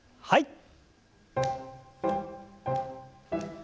はい。